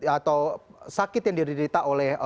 atau sakit yang dirilita oleh